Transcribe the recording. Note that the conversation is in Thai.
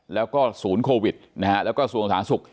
แล้วก็ศูนย์โควิดนะฮะแล้วก็ส่วนสาธารณสุข